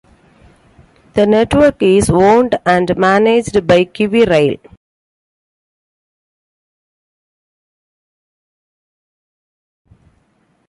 The network is owned and managed by KiwiRail.